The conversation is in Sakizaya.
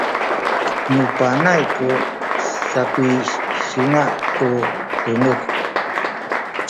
nanu panay ku sapisanga’ tu tunuz